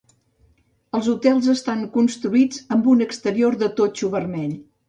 Els hotels estan construïts amb un exterior de totxo vermell.